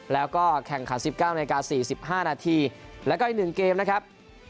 แล้วก็แข่งขัน๑๙นาที๔๕นาทีแล้วก็อีก๑เกมนะครับ